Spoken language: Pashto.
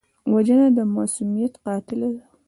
وژنه د معصومیت قاتله ده